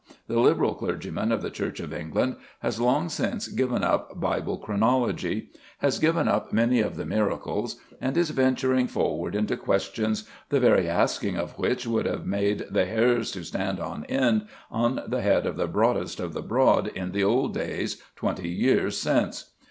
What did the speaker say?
The liberal clergyman of the Church of England has long since given up Bible chronology, has given up many of the miracles, and is venturing forward into questions the very asking of which would have made the hairs to stand on end on the head of the broadest of the broad in the old days, twenty years since.